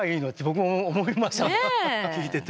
聴いてて。